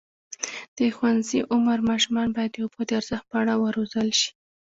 د ښوونځي عمر ماشومان باید د اوبو د ارزښت په اړه وروزل شي.